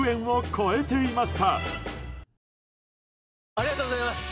ありがとうございます！